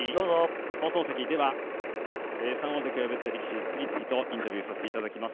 ３大関を破った力士、次々インタビューさせていただきます。